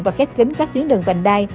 và khép kín các tuyến đường vành đai